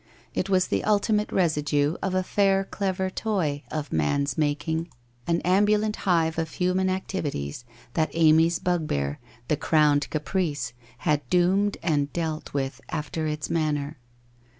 It Was the ultimate residue of a fair clever toy of man's mak 243 244 WHITE ROSE OF WEARY LEAF ing, an ambulant hive of human activities, that Amy's bug bear, the Crowned Caprice, had doomed and dealt with after its manner.